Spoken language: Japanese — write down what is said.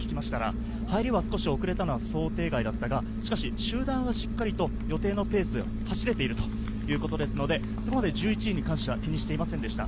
入りが少し遅れたのは想定外だったか、集団はしっかりと予定のペースで走れているということですので、１１位に関しては気にしていませんでした。